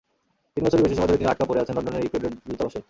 তিন বছরের বেশি সময় ধরে তিনি আটকা পড়ে আছেন লন্ডনের ইকুয়েডর দূতাবাসে।